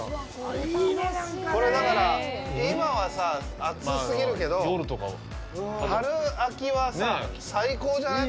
これ、だから、今はさ、暑すぎるけど春秋はさ、最高じゃない？